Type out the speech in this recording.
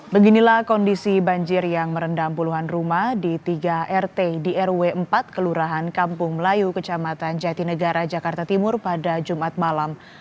beginilah kondisi banjir yang merendam puluhan rumah di tiga rt di rw empat kelurahan kampung melayu kecamatan jatinegara jakarta timur pada jumat malam